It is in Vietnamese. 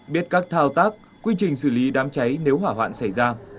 biết các thao tác quy trình xử lý đám cháy nếu hỏa hoạn xảy ra